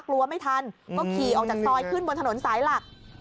กลัวไม่ทันก็ขี่ออกจากซอยขึ้นบนถนนสายหลัก